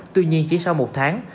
tuy nhiên chỉ sau một tháng